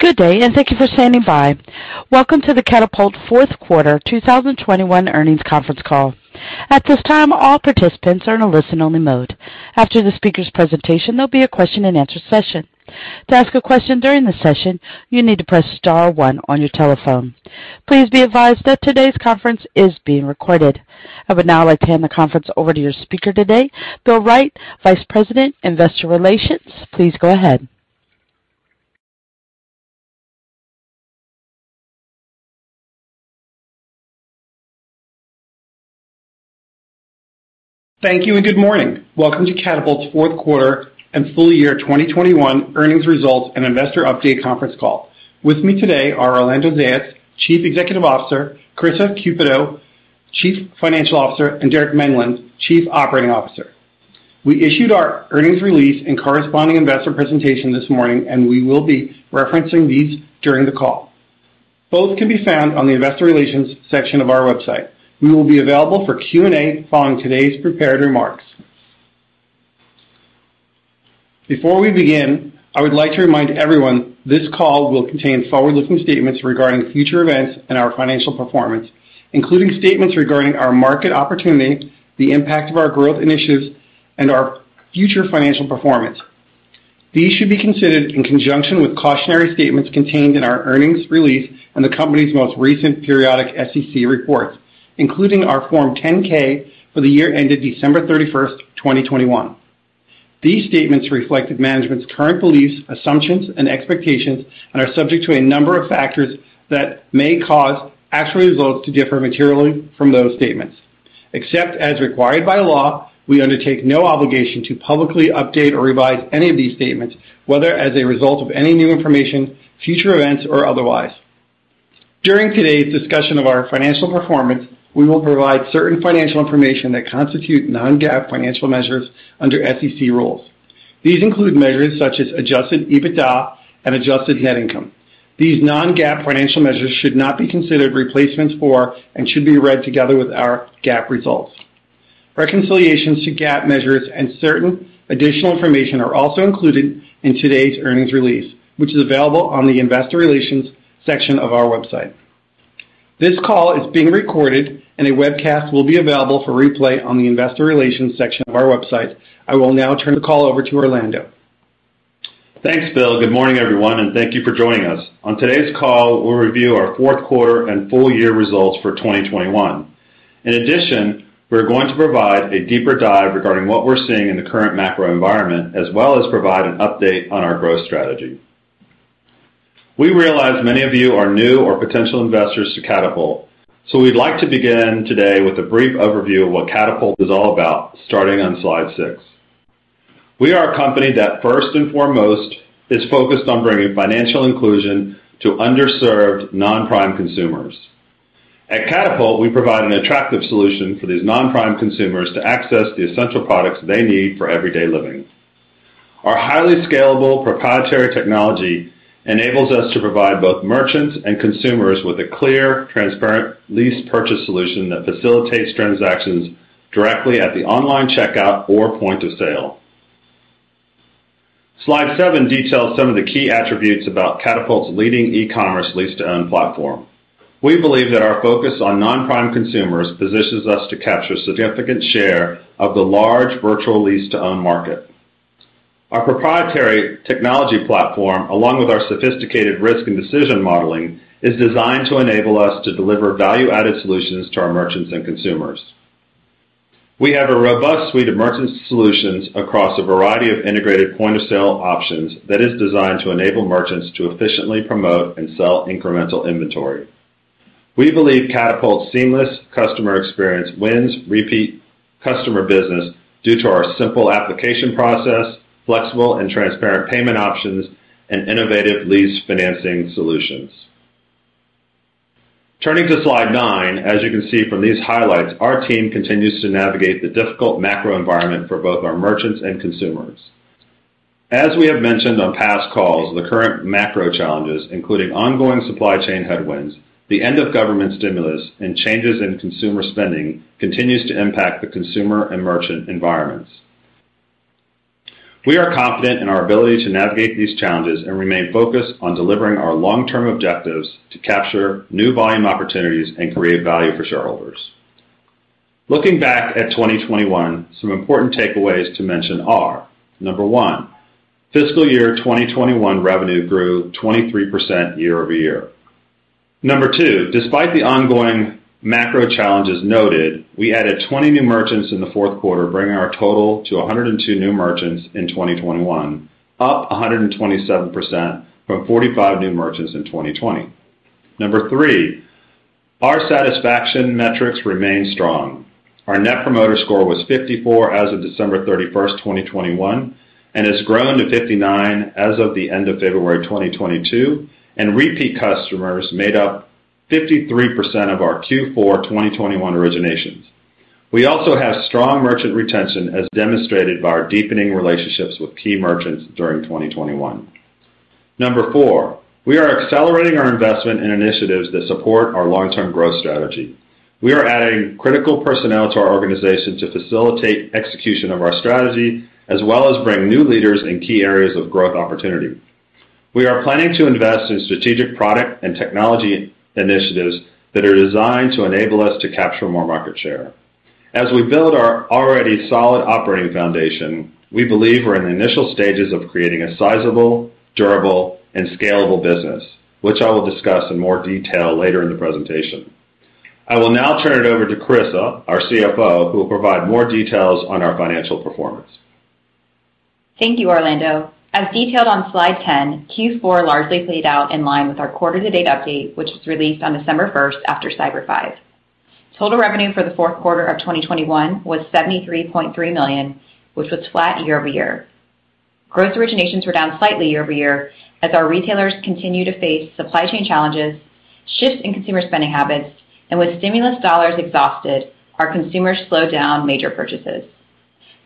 Good day, and thank you for standing by. Welcome to the Katapult fourth quarter 2021 earnings conference call. At this time, all participants are in a listen-only mode. After the speaker's presentation, there'll be a question-and-answer session. To ask a question during the session, you need to press star one on your telephone. Please be advised that today's conference is being recorded. I would now like to hand the conference over to your speaker today, Bill Wright, Vice President, Investor Relations. Please go ahead. Thank you and good morning. Welcome to Katapult's fourth quarter and full year 2021 earnings results and investor update conference call. With me today are Orlando Zayas, Chief Executive Officer, Karissa Cupito, Chief Financial Officer, and Derek Medlin, Chief Operating Officer. We issued our earnings release and corresponding investor presentation this morning, and we will be referencing these during the call. Both can be found on the investor relations section of our website. We will be available for Q&A following today's prepared remarks. Before we begin, I would like to remind everyone this call will contain forward-looking statements regarding future events and our financial performance, including statements regarding our market opportunity, the impact of our growth initiatives, and our future financial performance. These should be considered in conjunction with cautionary statements contained in our earnings release and the company's most recent periodic SEC reports, including our Form 10-K for the year ended December 31, 2021. These statements reflected management's current beliefs, assumptions, and expectations and are subject to a number of factors that may cause actual results to differ materially from those statements. Except as required by law, we undertake no obligation to publicly update or revise any of these statements, whether as a result of any new information, future events, or otherwise. During today's discussion of our financial performance, we will provide certain financial information that constitute non-GAAP financial measures under SEC rules. These include measures such as Adjusted EBITDA and Adjusted Net Income. These non-GAAP financial measures should not be considered replacements for and should be read together with our GAAP results. Reconciliations to GAAP measures and certain additional information are also included in today's earnings release, which is available on the investor relations section of our website. This call is being recorded, and a webcast will be available for replay on the investor relations section of our website. I will now turn the call over to Orlando. Thanks, Bill. Good morning, everyone, and thank you for joining us. On today's call, we'll review our fourth quarter and full year results for 2021. In addition, we're going to provide a deeper dive regarding what we're seeing in the current macro environment, as well as provide an update on our growth strategy. We realize many of you are new or potential investors to Katapult, so we'd like to begin today with a brief overview of what Katapult is all about, starting on slide six. We are a company that first and foremost is focused on bringing financial inclusion to underserved non-prime consumers. At Katapult, we provide an attractive solution for these non-prime consumers to access the essential products they need for everyday living. Our highly scalable proprietary technology enables us to provide both merchants and consumers with a clear, transparent lease purchase solution that facilitates transactions directly at the online checkout or point of sale. Slide seven details some of the key attributes about Katapult's leading e-commerce lease-to-own platform. We believe that our focus on non-prime consumers positions us to capture significant share of the large virtual lease-to-own market. Our proprietary technology platform, along with our sophisticated risk and decision modeling, is designed to enable us to deliver value-added solutions to our merchants and consumers. We have a robust suite of merchant solutions across a variety of integrated point-of-sale options that is designed to enable merchants to efficiently promote and sell incremental inventory. We believe Katapult's seamless customer experience wins repeat customer business due to our simple application process, flexible and transparent payment options, and innovative lease financing solutions. Turning to slide nine, as you can see from these highlights, our team continues to navigate the difficult macro environment for both our merchants and consumers. As we have mentioned on past calls, the current macro challenges, including ongoing supply chain headwinds, the end of government stimulus, and changes in consumer spending, continues to impact the consumer and merchant environments. We are confident in our ability to navigate these challenges and remain focused on delivering our long-term objectives to capture new volume opportunities and create value for shareholders. Looking back at 2021, some important takeaways to mention are, number one, fiscal year 2021 revenue grew 23% year-over-year. Number two, despite the ongoing macro challenges noted, we added 20 new merchants in the fourth quarter, bringing our total to 102 new merchants in 2021, up 127% from 45 new merchants in 2020. Number three, our satisfaction metrics remain strong. Our Net Promoter Score was 54 as of December 31, 2021, and has grown to 59 as of the end of February 2022, and repeat customers made up 53% of our Q4 2021 originations. We also have strong merchant retention as demonstrated by our deepening relationships with key merchants during 2021. Number four, we are accelerating our investment in initiatives that support our long-term growth strategy. We are adding critical personnel to our organization to facilitate execution of our strategy, as well as bring new leaders in key areas of growth opportunity. We are planning to invest in strategic product and technology initiatives that are designed to enable us to capture more market share. As we build our already solid operating foundation, we believe we're in initial stages of creating a sizable, durable, and scalable business, which I will discuss in more detail later in the presentation. I will now turn it over to Karissa, our CFO, who will provide more details on our financial performance. Thank you, Orlando. As detailed on Slide 10, Q4 largely played out in line with our quarter to date update, which was released on December 1 after Cyber Five. Total revenue for the fourth quarter of 2021 was $73.3 million, which was flat year-over-year. Gross originations were down slightly year-over-year as our retailers continue to face supply chain challenges, shifts in consumer spending habits, and with stimulus dollars exhausted, our consumers slowed down major purchases.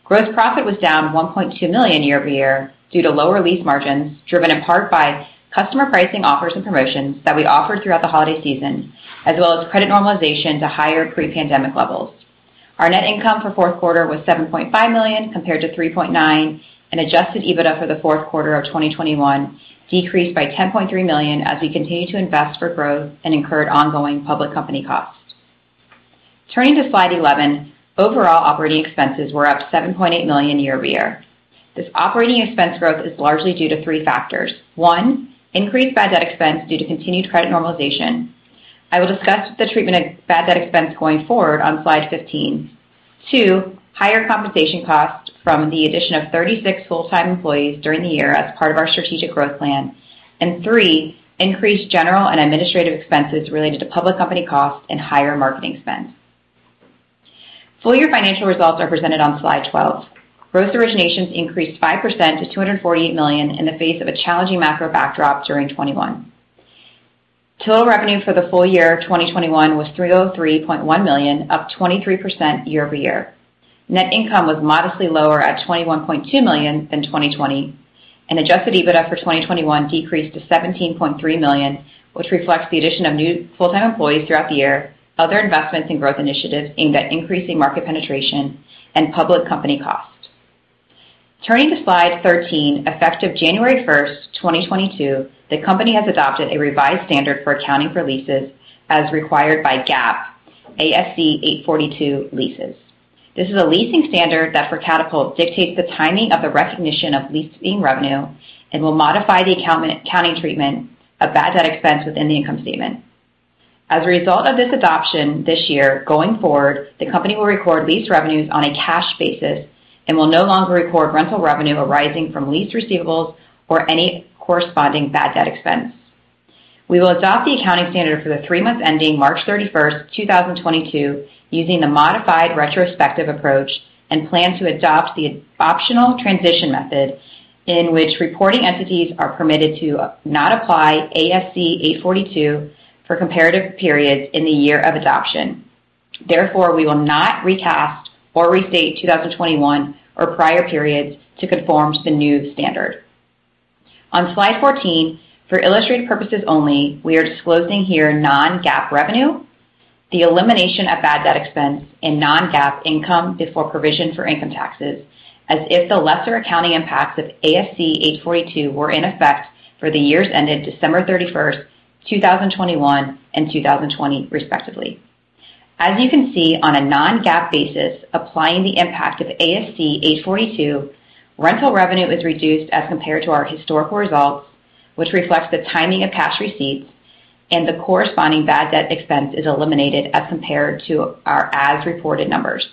Gross profit was down $1.2 million year-over-year due to lower lease margins, driven in part by customer pricing offers and promotions that we offered throughout the holiday season, as well as credit normalization to higher pre-pandemic levels. Our net income for the fourth quarter was $7.5 million compared to $3.9 million, and Adjusted EBITDA for the fourth quarter of 2021 decreased by $10.3 million as we continue to invest for growth and incurred ongoing public company costs. Turning to Slide 11, overall operating expenses were up $7.8 million year-over-year. This operating expense growth is largely due to three factors. One, increased bad debt expense due to continued credit normalization. I will discuss the treatment of bad debt expense going forward on Slide 15. Two, higher compensation costs from the addition of 36 full-time employees during the year as part of our strategic growth plan. Three, increased general and administrative expenses related to public company costs and higher marketing spend. Full-year financial results are presented on Slide 12. Gross originations increased 5% to $248 million in the face of a challenging macro backdrop during 2021. Total revenue for the full year of 2021 was $303.1 million, up 23% year-over-year. Net income was modestly lower at $21.2 million in 2020. Adjusted EBITDA for 2021 decreased to $17.3 million, which reflects the addition of new full-time employees throughout the year, other investments in growth initiatives aimed at increasing market penetration and public company cost. Turning to Slide 13, effective January 1, 2022, the company has adopted a revised standard for accounting for leases as required by GAAP, ASC 842 leases. This is a leasing standard that for Katapult dictates the timing of the recognition of lease fee revenue and will modify the accounting treatment of bad debt expense within the income statement. As a result of this adoption this year, going forward, the company will record lease revenues on a cash basis and will no longer record rental revenue arising from lease receivables or any corresponding bad debt expense. We will adopt the accounting standard for the three months ending March 31, 2022, using the modified retrospective approach, and plan to adopt the optional transition method in which reporting entities are permitted to not apply ASC 842 for comparative periods in the year of adoption. Therefore, we will not recast or restate 2021 or prior periods to conform to the new standard. On Slide 14, for illustrated purposes only, we are disclosing here non-GAAP revenue, the elimination of bad debt expense and non-GAAP income before provision for income taxes as if the lease accounting impacts of ASC 842 were in effect for the years ended December 31, 2021 and 2020 respectively. As you can see on a non-GAAP basis, applying the impact of ASC 842, rental revenue is reduced as compared to our historical results, which reflects the timing of cash receipts and the corresponding bad debt expense is eliminated as compared to our as reported numbers.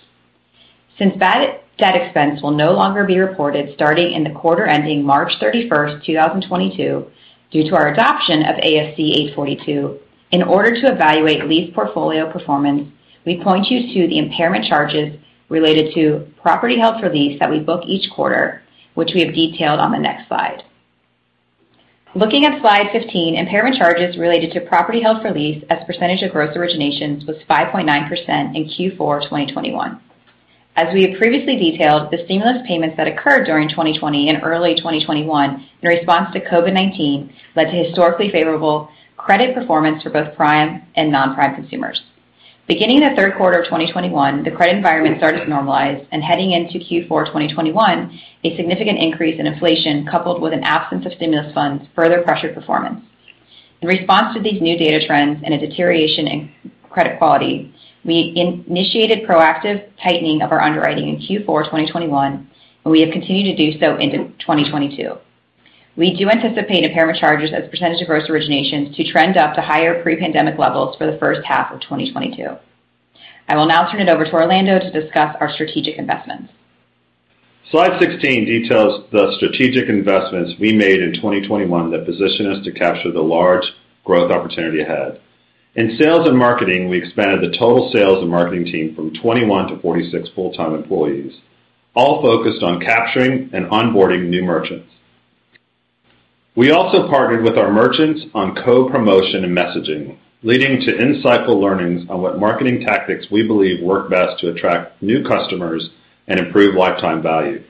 Since bad debt expense will no longer be reported starting in the quarter ending March 31, 2022, due to our adoption of ASC 842, in order to evaluate lease portfolio performance, we point you to the impairment charges related to property held for lease that we book each quarter, which we have detailed on the next slide. Looking at Slide 15, impairment charges related to property held for lease as a percentage of gross originations was 5.9% in Q4 2021. As we have previously detailed, the stimulus payments that occurred during 2020 and early 2021 in response to COVID-19 led to historically favorable credit performance for both prime and non-prime consumers. Beginning in the third quarter of 2021, the credit environment started to normalize and heading into Q4 2021, a significant increase in inflation coupled with an absence of stimulus funds, further pressured performance. In response to these new data trends and a deterioration in credit quality, we initiated proactive tightening of our underwriting in Q4 2021, and we have continued to do so into 2022. We do anticipate impairment charges as a percentage of gross originations to trend up to higher pre-pandemic levels for the first half of 2022. I will now turn it over to Orlando to discuss our strategic investments. Slide 16 details the strategic investments we made in 2021 that position us to capture the large growth opportunity ahead. In sales and marketing, we expanded the total sales and marketing team from 21 to 46 full-time employees, all focused on capturing and onboarding new merchants. We also partnered with our merchants on co-promotion and messaging, leading to insightful learnings on what marketing tactics we believe work best to attract new customers and improve lifetime value.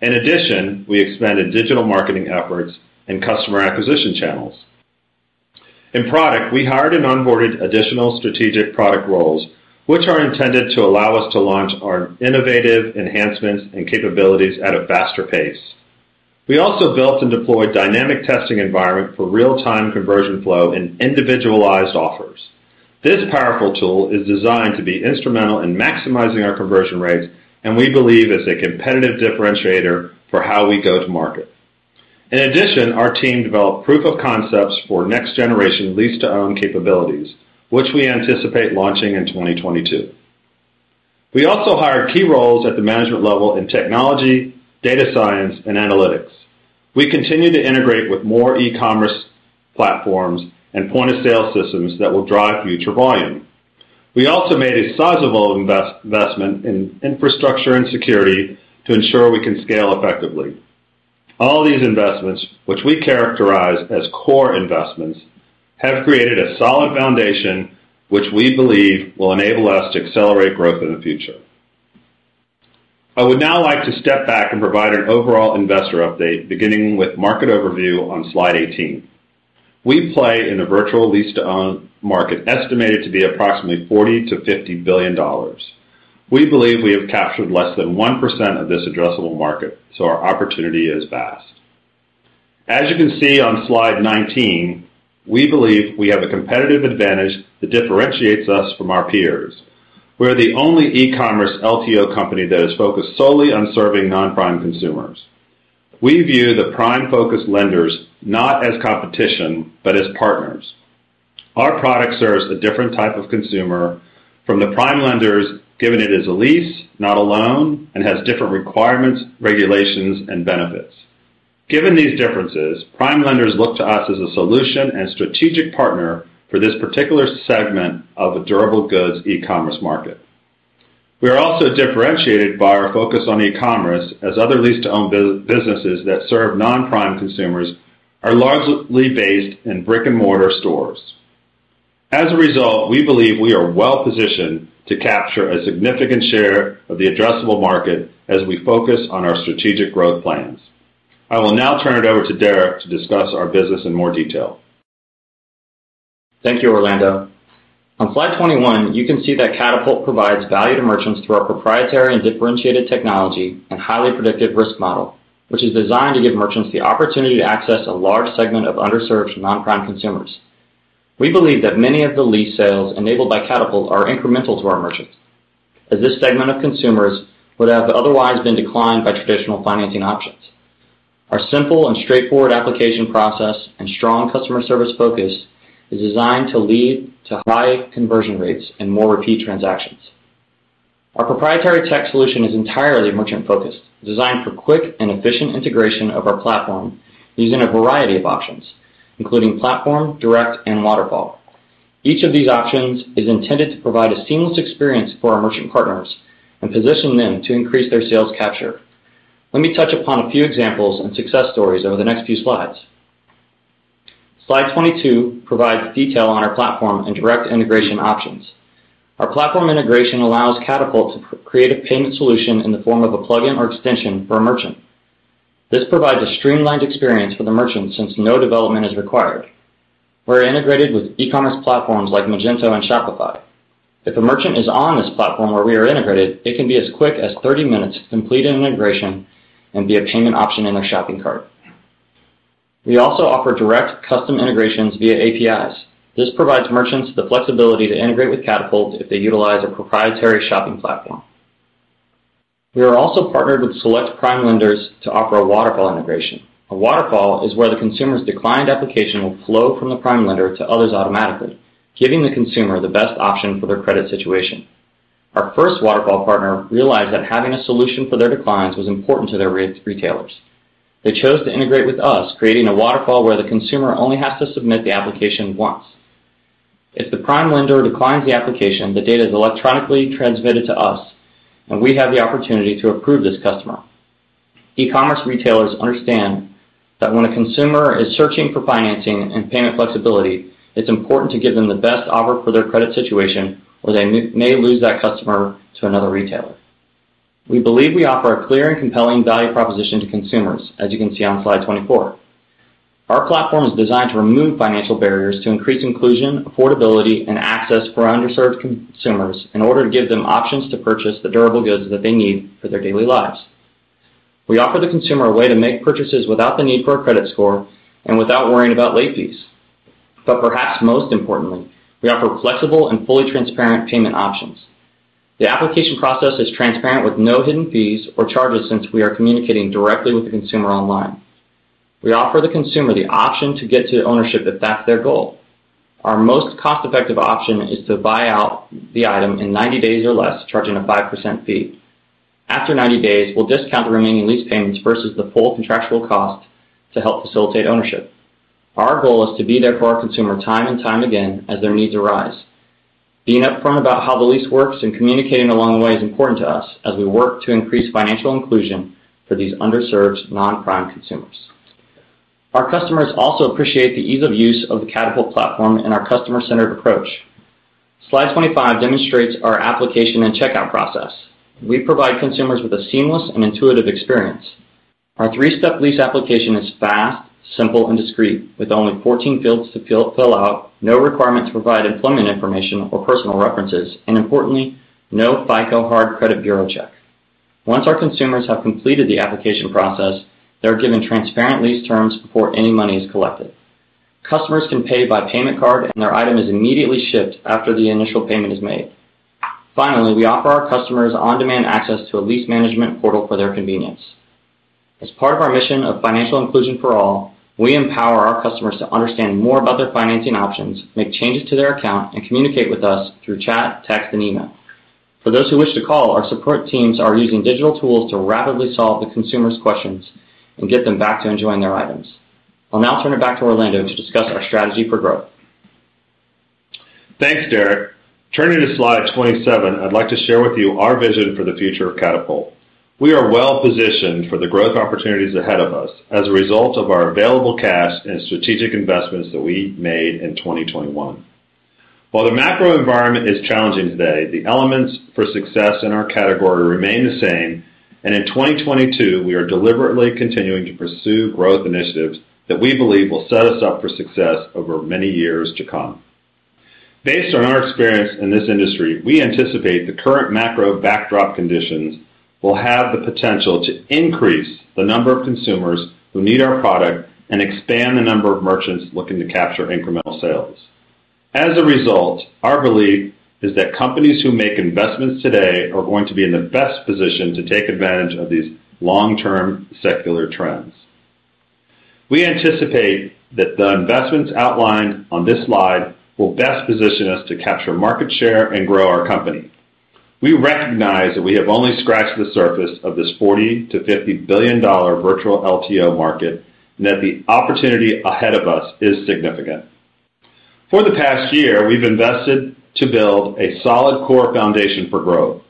In addition, we expanded digital marketing efforts and customer acquisition channels. In product, we hired and onboarded additional strategic product roles, which are intended to allow us to launch our innovative enhancements and capabilities at a faster pace. We also built and deployed dynamic testing environment for real-time conversion flow and individualized offers. This powerful tool is designed to be instrumental in maximizing our conversion rates, and we believe is a competitive differentiator for how we go to market. In addition, our team developed proof of concepts for next generation lease-to-own capabilities, which we anticipate launching in 2022. We also hired key roles at the management level in technology, data science, and analytics. We continue to integrate with more e-commerce platforms and point-of-sale systems that will drive future volume. We also made a sizable investment in infrastructure and security to ensure we can scale effectively. All these investments, which we characterize as core investments, have created a solid foundation, which we believe will enable us to accelerate growth in the future. I would now like to step back and provide an overall investor update, beginning with market overview on slide 18. We play in a virtual lease-to-own market estimated to be approximately $40 billion-$50 billion. We believe we have captured less than 1% of this addressable market, so our opportunity is vast. As you can see on slide 19, we believe we have a competitive advantage that differentiates us from our peers. We're the only e-commerce LTO company that is focused solely on serving non-prime consumers. We view the prime-focused lenders not as competition, but as partners. Our product serves a different type of consumer from the prime lenders, given it is a lease, not a loan, and has different requirements, regulations, and benefits. Given these differences, prime lenders look to us as a solution and strategic partner for this particular segment of the durable goods e-commerce market. We are also differentiated by our focus on e-commerce as other lease-to-own businesses that serve non-prime consumers are largely based in brick-and-mortar stores. As a result, we believe we are well-positioned to capture a significant share of the addressable market as we focus on our strategic growth plans. I will now turn it over to Derek to discuss our business in more detail. Thank you, Orlando. On slide 21, you can see that Katapult provides value to merchants through our proprietary and differentiated technology and highly predictive risk model, which is designed to give merchants the opportunity to access a large segment of underserved non-prime consumers. We believe that many of the lease sales enabled by Katapult are incremental to our merchants, as this segment of consumers would have otherwise been declined by traditional financing options. Our simple and straightforward application process and strong customer service focus is designed to lead to high conversion rates and more repeat transactions. Our proprietary tech solution is entirely merchant-focused, designed for quick and efficient integration of our platform using a variety of options, including platform, direct, and waterfall. Each of these options is intended to provide a seamless experience for our merchant partners and position them to increase their sales capture. Let me touch upon a few examples and success stories over the next few slides. Slide 22 provides detail on our platform and direct integration options. Our platform integration allows Katapult to create a payment solution in the form of a plugin or extension for a merchant. This provides a streamlined experience for the merchant since no development is required. We're integrated with e-commerce platforms like Magento and Shopify. If a merchant is on this platform where we are integrated, it can be as quick as 30 minutes to complete an integration and be a payment option in their shopping cart. We also offer direct custom integrations via APIs. This provides merchants the flexibility to integrate with Katapult if they utilize a proprietary shopping platform. We are also partnered with select prime lenders to offer a waterfall integration. A waterfall is where the consumer's declined application will flow from the prime lender to others automatically, giving the consumer the best option for their credit situation. Our first waterfall partner realized that having a solution for their declines was important to their retailers. They chose to integrate with us, creating a waterfall where the consumer only has to submit the application once. If the prime lender declines the application, the data is electronically transmitted to us, and we have the opportunity to approve this customer. E-commerce retailers understand that when a consumer is searching for financing and payment flexibility, it's important to give them the best offer for their credit situation, or they may lose that customer to another retailer. We believe we offer a clear and compelling value proposition to consumers, as you can see on slide 24. Our platform is designed to remove financial barriers to increase inclusion, affordability, and access for underserved consumers in order to give them options to purchase the durable goods that they need for their daily lives. We offer the consumer a way to make purchases without the need for a credit score and without worrying about late fees. Perhaps most importantly, we offer flexible and fully transparent payment options. The application process is transparent with no hidden fees or charges since we are communicating directly with the consumer online. We offer the consumer the option to get to ownership if that's their goal. Our most cost-effective option is to buy out the item in 90 days or less, charging a 5% fee. After 90 days, we'll discount the remaining lease payments versus the full contractual cost to help facilitate ownership. Our goal is to be there for our consumer time and time again as their needs arise. Being upfront about how the lease works and communicating along the way is important to us as we work to increase financial inclusion for these underserved non-prime consumers. Our customers also appreciate the ease of use of the Katapult platform and our customer-centered approach. Slide 25 demonstrates our application and checkout process. We provide consumers with a seamless and intuitive experience. Our three-step lease application is fast, simple, and discreet, with only 14 fields to fill out, no requirement to provide employment information or personal references, and importantly, no FICO hard credit bureau check. Once our consumers have completed the application process, they're given transparent lease terms before any money is collected. Customers can pay by payment card, and their item is immediately shipped after the initial payment is made. Finally, we offer our customers on-demand access to a lease management portal for their convenience. As part of our mission of financial inclusion for all, we empower our customers to understand more about their financing options, make changes to their account, and communicate with us through chat, text, and email. For those who wish to call, our support teams are using digital tools to rapidly solve the consumer's questions and get them back to enjoying their items. I'll now turn it back to Orlando to discuss our strategy for growth. Thanks, Derek. Turning to slide 27, I'd like to share with you our vision for the future of Katapult. We are well-positioned for the growth opportunities ahead of us as a result of our available cash and strategic investments that we made in 2021. While the macro environment is challenging today, the elements for success in our category remain the same, and in 2022, we are deliberately continuing to pursue growth initiatives that we believe will set us up for success over many years to come. Based on our experience in this industry, we anticipate the current macro backdrop conditions will have the potential to increase the number of consumers who need our product and expand the number of merchants looking to capture incremental sales. As a result, our belief is that companies who make investments today are going to be in the best position to take advantage of these long-term secular trends. We anticipate that the investments outlined on this slide will best position us to capture market share and grow our company. We recognize that we have only scratched the surface of this $40 billion-$50 billion virtual LTO market, and that the opportunity ahead of us is significant. For the past year, we've invested to build a solid core foundation for growth.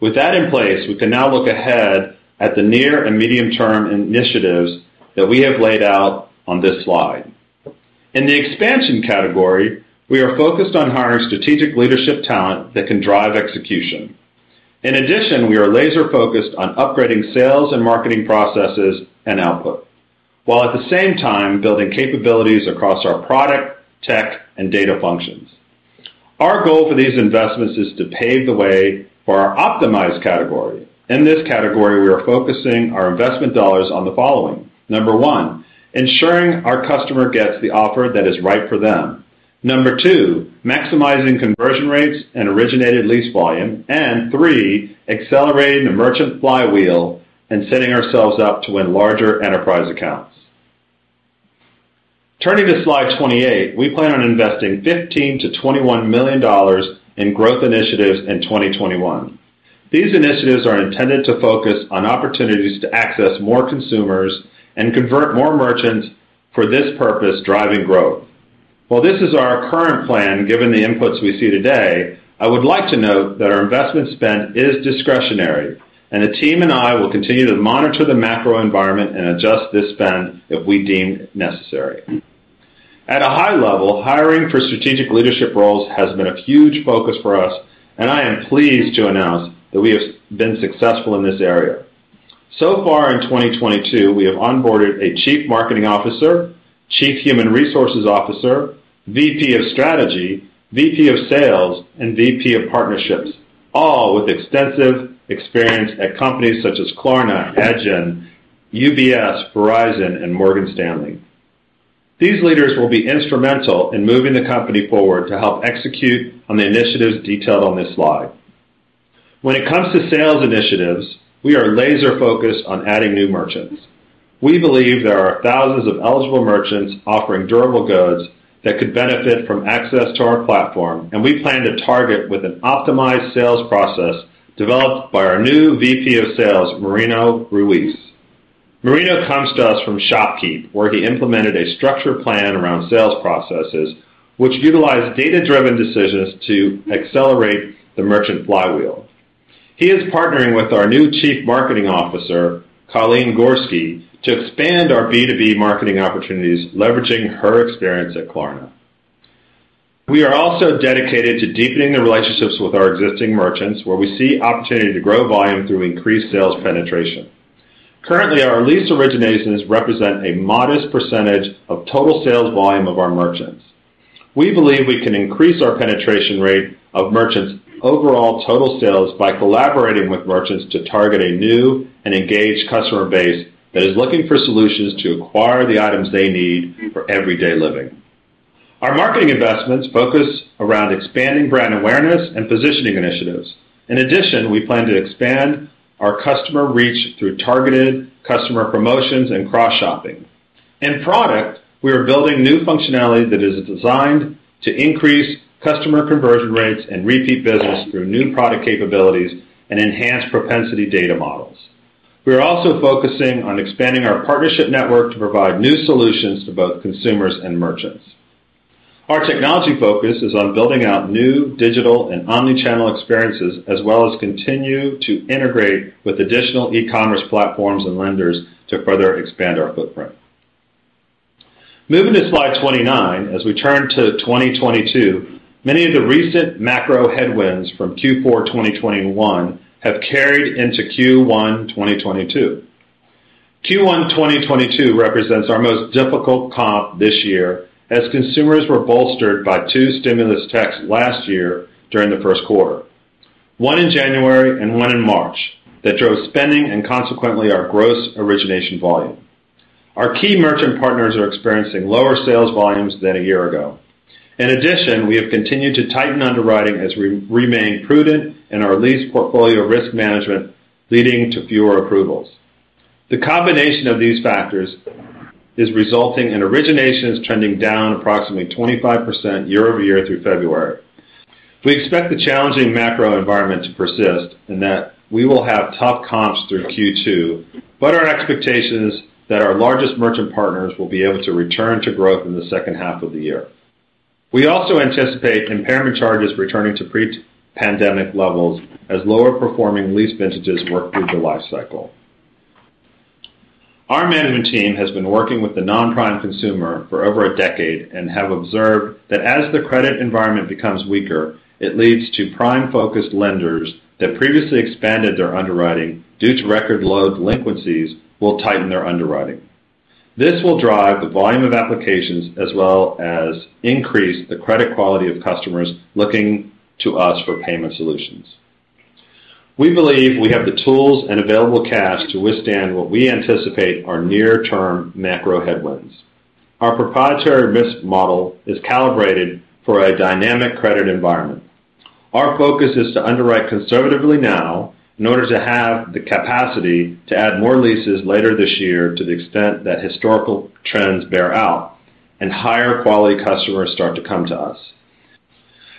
With that in place, we can now look ahead at the near and medium-term initiatives that we have laid out on this slide. In the expansion category, we are focused on hiring strategic leadership talent that can drive execution. In addition, we are laser-focused on upgrading sales and marketing processes and output, while at the same time building capabilities across our product, tech, and data functions. Our goal for these investments is to pave the way for our optimized category. In this category, we are focusing our investment dollars on the following. Number one, ensuring our customer gets the offer that is right for them. Number two, maximizing conversion rates and originated lease volume. Three, accelerating the merchant flywheel and setting ourselves up to win larger enterprise accounts. Turning to slide 28, we plan on investing $15 million-$21 million in growth initiatives in 2021. These initiatives are intended to focus on opportunities to access more consumers and convert more merchants for this purpose, driving growth. While this is our current plan, given the inputs we see today, I would like to note that our investment spend is discretionary, and the team and I will continue to monitor the macro environment and adjust this spend if we deem necessary. At a high level, hiring for strategic leadership roles has been a huge focus for us, and I am pleased to announce that we have been successful in this area. So far in 2022, we have onboarded a Chief Marketing Officer, Chief Human Resources Officer, VP of Strategy, VP of Sales, and VP of Partnerships, all with extensive experience at companies such as Klarna, Adyen, UBS, Verizon, and Morgan Stanley. These leaders will be instrumental in moving the company forward to help execute on the initiatives detailed on this slide. When it comes to sales initiatives, we are laser-focused on adding new merchants. We believe there are thousands of eligible merchants offering durable goods that could benefit from access to our platform, and we plan to target with an optimized sales process developed by our new VP of sales, Marino Ruiz. Marino comes to us from ShopKeep, where he implemented a structured plan around sales processes, which utilized data-driven decisions to accelerate the merchant flywheel. He is partnering with our new Chief Marketing Officer, Colleen Gorski, to expand our B2B marketing opportunities, leveraging her experience at Klarna. We are also dedicated to deepening the relationships with our existing merchants, where we see opportunity to grow volume through increased sales penetration. Currently, our lease originations represent a modest percentage of total sales volume of our merchants. We believe we can increase our penetration rate of merchants' overall total sales by collaborating with merchants to target a new and engaged customer base that is looking for solutions to acquire the items they need for everyday living. Our marketing investments focus around expanding brand awareness and positioning initiatives. In addition, we plan to expand our customer reach through targeted customer promotions and cross-shopping. In product, we are building new functionality that is designed to increase customer conversion rates and repeat business through new product capabilities and enhanced propensity data models. We are also focusing on expanding our partnership network to provide new solutions to both consumers and merchants. Our technology focus is on building out new digital and omnichannel experiences as well as continue to integrate with additional e-commerce platforms and lenders to further expand our footprint. Moving to slide 29, as we turn to 2022, many of the recent macro headwinds from Q4 2021 have carried into Q1 2022. Q1 2022 represents our most difficult comp this year as consumers were bolstered by two stimulus checks last year during the first quarter, one in January and one in March, that drove spending and consequently our gross origination volume. Our key merchant partners are experiencing lower sales volumes than a year ago. In addition, we have continued to tighten underwriting as we remain prudent in our lease portfolio risk management, leading to fewer approvals. The combination of these factors is resulting in originations trending down approximately 25% year-over-year through February. We expect the challenging macro environment to persist, and that we will have tough comps through Q2. Our expectation is that our largest merchant partners will be able to return to growth in the second half of the year. We also anticipate impairment charges returning to pre-pandemic levels as lower-performing lease vintages work through the life cycle. Our management team has been working with the non-prime consumer for over a decade and have observed that as the credit environment becomes weaker, it leads to prime-focused lenders that previously expanded their underwriting due to record low delinquencies will tighten their underwriting. This will drive the volume of applications as well as increase the credit quality of customers looking to us for payment solutions. We believe we have the tools and available cash to withstand what we anticipate are near-term macro headwinds. Our proprietary risk model is calibrated for a dynamic credit environment. Our focus is to underwrite conservatively now in order to have the capacity to add more leases later this year to the extent that historical trends bear out and higher-quality customers start to come to us.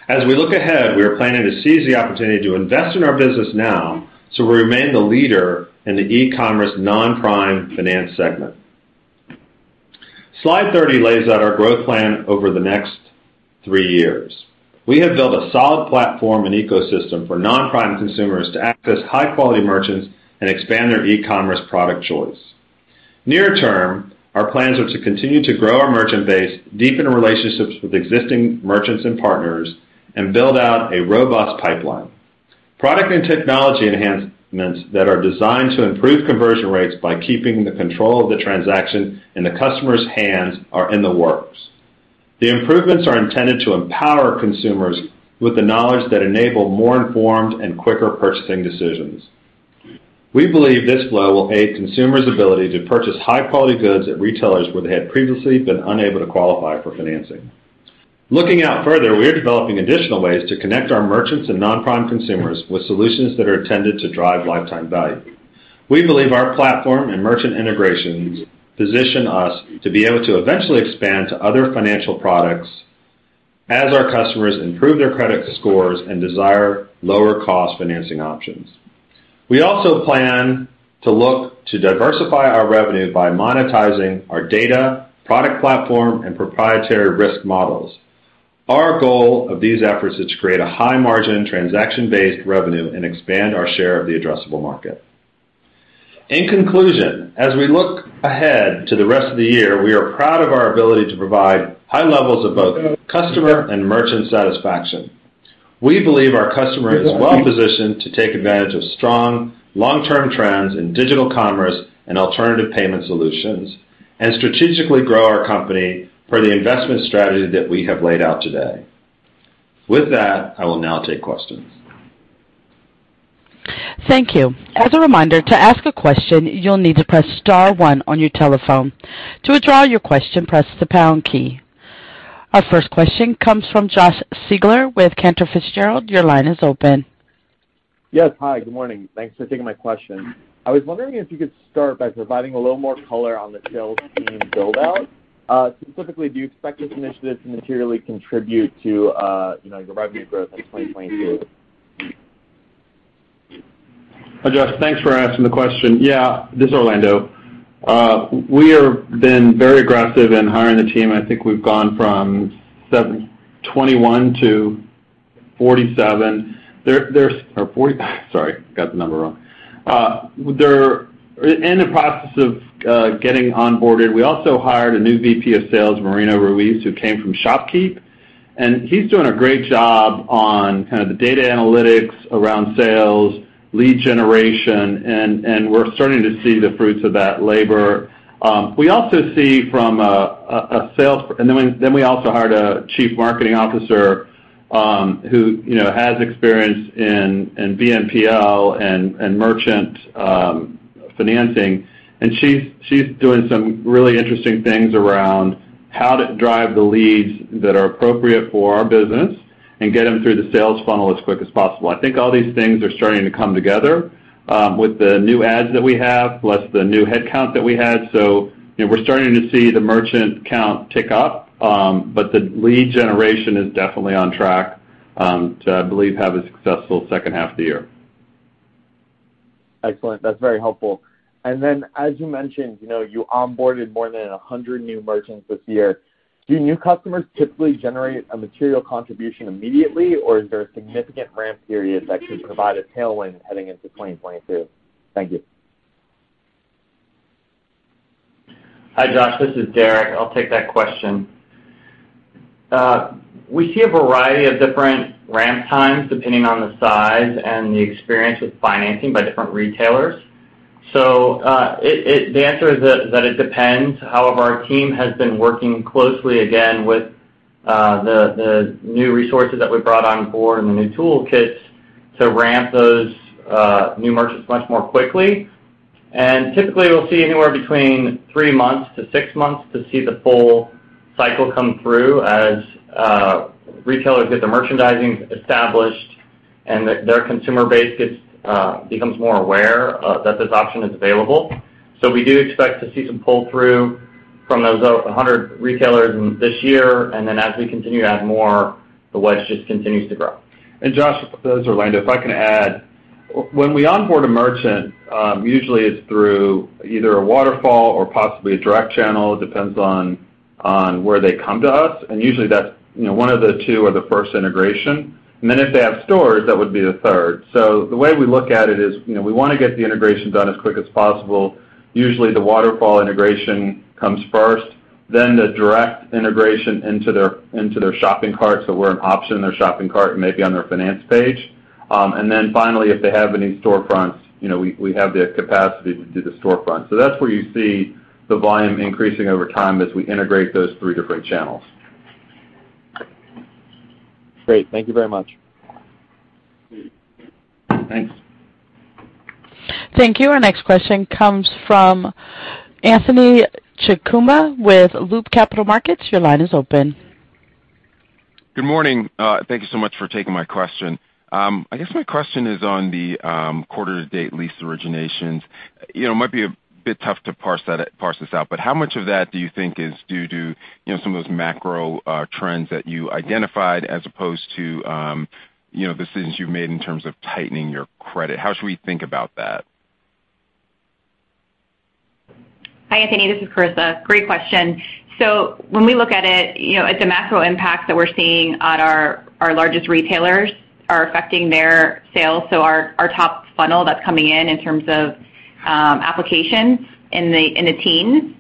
As we look ahead, we are planning to seize the opportunity to invest in our business now so we remain the leader in the e-commerce non-prime finance segment. Slide 30 lays out our growth plan over the next three years. We have built a solid platform and ecosystem for non-prime consumers to access high-quality merchants and expand their e-commerce product choice. Near term, our plans are to continue to grow our merchant base, deepen relationships with existing merchants and partners, and build out a robust pipeline. Product and technology enhancements that are designed to improve conversion rates by keeping the control of the transaction in the customer's hands are in the works. The improvements are intended to empower consumers with the knowledge that enable more informed and quicker purchasing decisions. We believe this flow will aid consumers' ability to purchase high-quality goods at retailers where they had previously been unable to qualify for financing. Looking out further, we are developing additional ways to connect our merchants and non-prime consumers with solutions that are intended to drive lifetime value. We believe our platform and merchant integrations position us to be able to eventually expand to other financial products as our customers improve their credit scores and desire lower-cost financing options. We also plan to look to diversify our revenue by monetizing our data, product platform, and proprietary risk models. Our goal of these efforts is to create a high-margin, transaction-based revenue and expand our share of the addressable market. In conclusion, as we look ahead to the rest of the year, we are proud of our ability to provide high levels of both customer and merchant satisfaction. We believe our company is well-positioned to take advantage of strong long-term trends in digital commerce and alternative payment solutions and strategically grow our company per the investment strategy that we have laid out today. With that, I will now take questions. Thank you. As a reminder, to ask a question, you'll need to press star one on your telephone. To withdraw your question, press the pound key. Our first question comes from Josh Siegler with Cantor Fitzgerald. Your line is open. Yes. Hi, good morning. Thanks for taking my question. I was wondering if you could start by providing a little more color on the sales team build-out. Specifically, do you expect this initiative to materially contribute to, you know, your revenue growth in 2022? Hi, Josh. Thanks for asking the question. Yeah. This is Orlando. We have been very aggressive in hiring the team, and I think we've gone from 21 to 47. Sorry, got the number wrong. They're in the process of getting onboarded. We also hired a new VP of sales, Marino Ruiz, who came from ShopKeep, and he's doing a great job on kind of the data analytics around sales, lead generation, and we're starting to see the fruits of that labor. We also see from a sales. We also hired a Chief Marketing Officer, who you know has experience in BNPL and merchant financing. She's doing some really interesting things around how to drive the leads that are appropriate for our business and get them through the sales funnel as quick as possible. I think all these things are starting to come together with the new ads that we have, plus the new headcount that we had. You know, we're starting to see the merchant count tick up. But the lead generation is definitely on track to, I believe, have a successful second half of the year. Excellent. That's very helpful. Then, as you mentioned, you know, you onboarded more than 100 new merchants this year. Do new customers typically generate a material contribution immediately, or is there a significant ramp period that could provide a tailwind heading into 2022? Thank you. Hi, Josh, this is Derek. I'll take that question. We see a variety of different ramp times depending on the size and the experience with financing by different retailers. The answer is that it depends. However, our team has been working closely again with the new resources that we brought on board and the new toolkits to ramp those new merchants much more quickly. Typically, we'll see anywhere between 3 months to 6 months to see the full cycle come through as retailers get their merchandising established and their consumer base becomes more aware that this option is available. We do expect to see some pull-through from those 100 retailers in this year, and then as we continue to add more, the wedge just continues to grow. Josh, this is Orlando. If I can add, when we onboard a merchant, usually it's through either a waterfall or possibly a direct channel. It depends on where they come to us, and usually that's, you know, one of the two or the first integration. If they have stores, that would be the third. The way we look at it is, you know, we wanna get the integration done as quick as possible. Usually, the waterfall integration comes first, then the direct integration into their shopping cart, so we're an option in their shopping cart and maybe on their finance page. Finally, if they have any storefronts, you know, we have the capacity to do the storefront. That's where you see the volume increasing over time as we integrate those three different channels. Great. Thank you very much. Thanks. Thank you. Our next question comes from Anthony Chukumba with Loop Capital Markets. Your line is open. Good morning. Thank you so much for taking my question. I guess my question is on the quarter to date lease originations. You know, it might be a bit tough to parse this out, but how much of that do you think is due to, you know, some of those macro trends that you identified as opposed to, you know, decisions you've made in terms of tightening your credit? How should we think about that? Hi, Anthony Chukumba, this is Karissa Cupito. Great question. When we look at it, you know, it's a macro impact that we're seeing on our largest retailers are affecting their sales, so our top funnel that's coming in in terms of applications in the teens.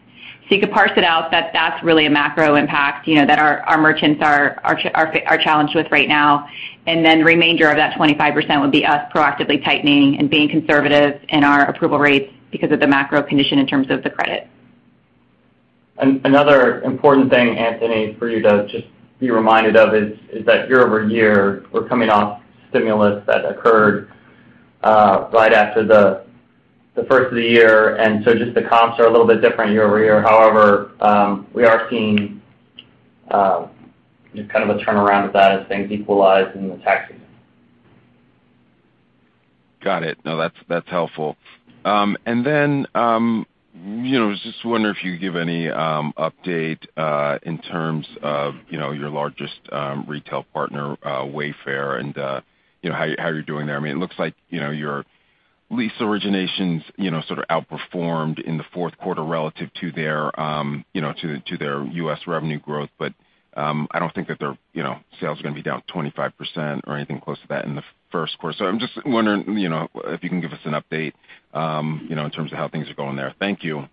You could parse it out that that's really a macro impact, you know, that our merchants are challenged with right now. Remainder of that 25% would be us proactively tightening and being conservative in our approval rates because of the macro condition in terms of the credit. Another important thing, Anthony, for you to just be reminded of is that year-over-year, we're coming off stimulus that occurred right after the first of the year. Just the comps are a little bit different year-over-year. However, we are seeing kind of a turnaround of that as things equalize in the tax season. Got it. No, that's helpful. You know, I was just wondering if you could give any update in terms of, you know, your largest retail partner, Wayfair and, you know, how you're doing there. I mean, it looks like, you know, your lease originations, you know, sort of outperformed in the fourth quarter relative to their, you know, to their U.S. revenue growth. I don't think that their, you know, sales are gonna be down 25% or anything close to that in the first quarter. I'm just wondering, you know, if you can give us an update, you know, in terms of how things are going there. Thank you.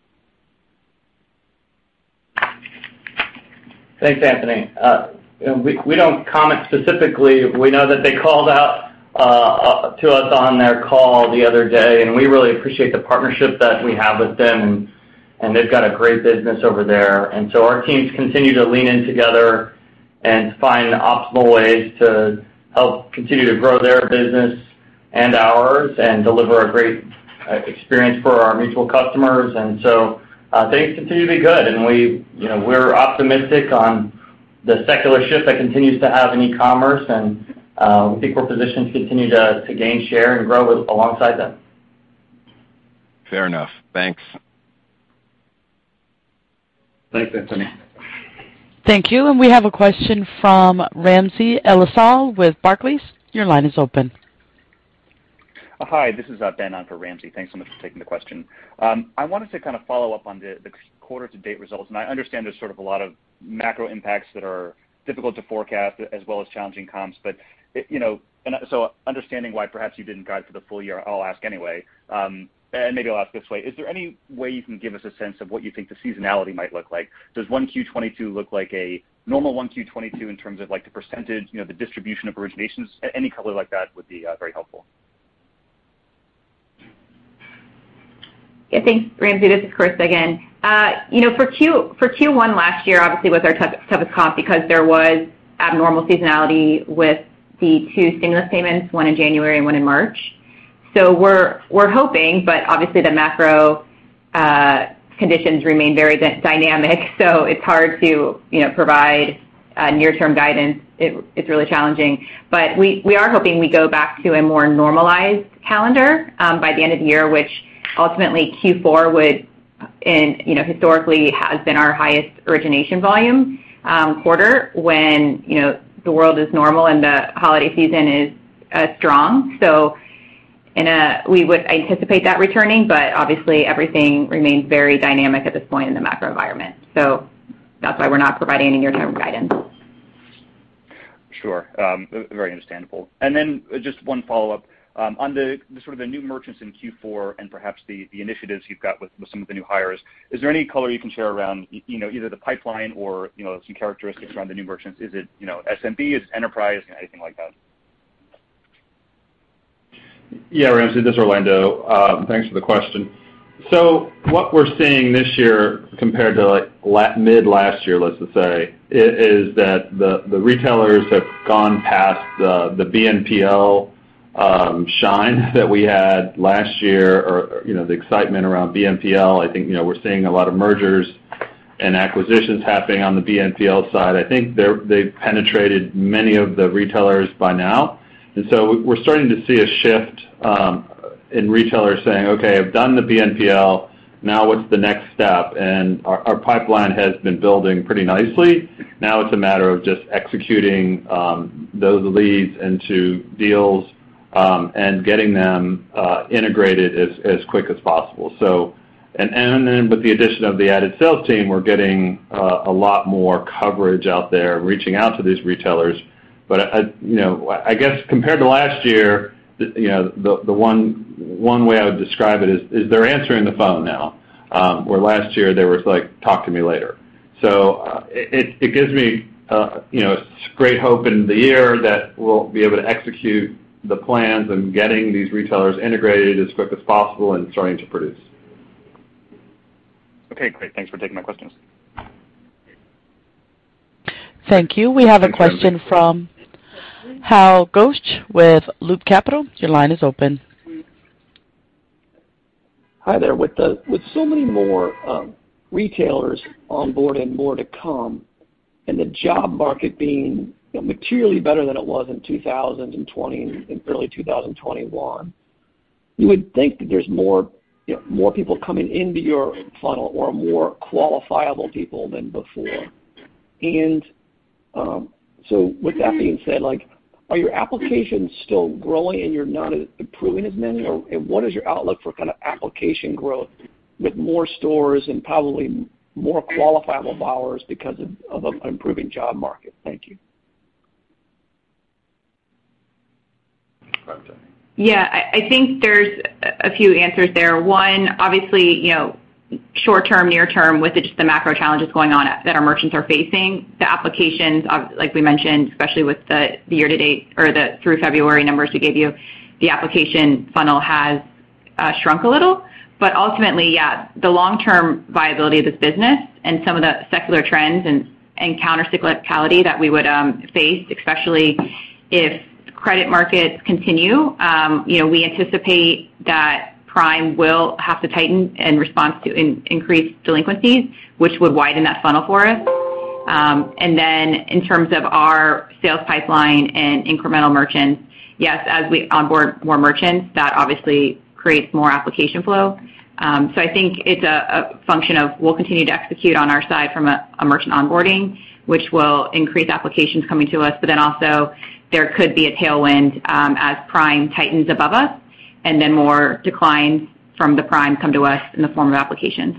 Thanks, Anthony. You know, we don't comment specifically. We know that they called out to us on their call the other day, and we really appreciate the partnership that we have with them, and they've got a great business over there. Our teams continue to lean in together and find optimal ways to help continue to grow their business and ours and deliver a great experience for our mutual customers. Things continue to be good. You know, we're optimistic on the secular shift that continues to happen in e-commerce, and we think we're positioned to continue to gain share and grow alongside them. Fair enough. Thanks. Thanks, Anthony. Thank you. We have a question from Ramsey El-Assal with Barclays. Your line is open. Hi, this is Ben on for Ramsey. Thanks so much for taking the question. I wanted to kind of follow up on the quarter to date results, and I understand there's sort of a lot of macro impacts that are difficult to forecast as well as challenging comps. You know, understanding why perhaps you didn't guide for the full year, I'll ask anyway. Maybe I'll ask this way: Is there any way you can give us a sense of what you think the seasonality might look like? Does 1Q 2022 look like a normal 1Q 2022 in terms of like the percentage, you know, the distribution of originations? Any color like that would be very helpful. Yeah. Thanks, Ramsey. This is Karissa again. You know, for Q1 last year obviously was our toughest comp because there was abnormal seasonality with the two stimulus payments, one in January and one in March. We're hoping, but obviously the macro conditions remain very dynamic, so it's hard to, you know, provide near term guidance. It's really challenging. We are hoping we go back to a more normalized calendar by the end of the year, which ultimately Q4 would, and you know, historically has been our highest origination volume quarter when, you know, the world is normal and the holiday season is strong. We would anticipate that returning, but obviously everything remains very dynamic at this point in the macro environment. That's why we're not providing any near-term guidance. Sure. Very understandable. Just one follow-up. On the sort of new merchants in Q4 and perhaps the initiatives you've got with some of the new hires, is there any color you can share around, you know, either the pipeline or, you know, some characteristics around the new merchants? Is it, you know, SMB? Is it enterprise? Anything like that. Yeah, Ramsey, this is Orlando. Thanks for the question. So what we're seeing this year compared to like mid last year, let's just say, is that the retailers have gone past the BNPL shine that we had last year or, you know, the excitement around BNPL. I think, you know, we're seeing a lot of mergers and acquisitions happening on the BNPL side. I think they've penetrated many of the retailers by now. We're starting to see a shift in retailers saying, "Okay, I've done the BNPL. Now what's the next step?" Our pipeline has been building pretty nicely. Now it's a matter of just executing those leads into deals and getting them integrated as quick as possible. With the addition of the added sales team, we're getting a lot more coverage out there, reaching out to these retailers. You know, I guess compared to last year, the one way I would describe it is they're answering the phone now. Where last year they were just like, "Talk to me later." It gives me you know, great hope in the year that we'll be able to execute the plans and getting these retailers integrated as quick as possible and starting to produce. Okay, great. Thanks for taking my questions. Thank you. We have a question from Hal Goetsch with Loop Capital. Your line is open. Hi there. With so many more retailers on board and more to come, and the job market being materially better than it was in 2020 and early 2021, you would think that there's more, you know, more people coming into your funnel or more qualifiable people than before. With that being said, like are your applications still growing and you're not approving as many? Or what is your outlook for kind of application growth with more stores and probably more qualifiable borrowers because of an improving job market? Thank you. Ramsey. Yeah. I think there's a few answers there. One, obviously, you know, short-term, near-term, with just the macro challenges going on that our merchants are facing, the applications like we mentioned, especially with the year-to-date or the through February numbers we gave you, the application funnel has shrunk a little. Ultimately, yeah, the long-term viability of this business and some of the secular trends and counter-cyclicality that we would face, especially if credit markets continue, you know, we anticipate that prime will have to tighten in response to increased delinquencies, which would widen that funnel for us. Then in terms of our sales pipeline and incremental merchants, yes, as we onboard more merchants, that obviously creates more application flow. I think it's a function of we'll continue to execute on our side from a merchant onboarding, which will increase applications coming to us. There could be a tailwind as prime tightens above us, and then more declines from the prime come to us in the form of applications.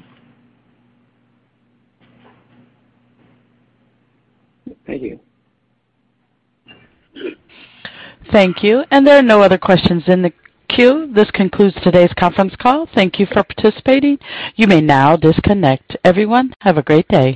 Thank you. Thank you. There are no other questions in the queue. This concludes today's conference call. Thank you for participating. You may now disconnect. Everyone, have a great day.